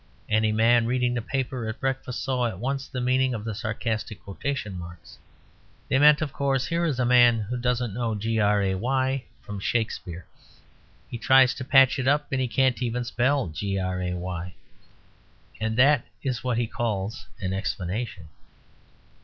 Any man reading the paper at breakfast saw at once the meaning of the sarcastic quotation marks. They meant, of course, "Here is a man who doesn't know Gray from Shakespeare; he tries to patch it up and he can't even spell Gray. And that is what he calls an Explanation."